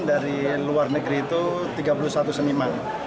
dari luar negeri itu tiga puluh satu seniman